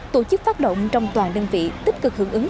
tổ chức phát động trong toàn đơn vị tích cực hưởng ứng